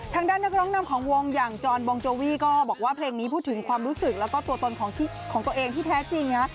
นักร้องนำของวงอย่างจรบองโจวี่ก็บอกว่าเพลงนี้พูดถึงความรู้สึกแล้วก็ตัวตนของตัวเองที่แท้จริงนะ